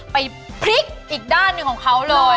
ไปพลิกอีกด้านหนึ่งของเขาเลย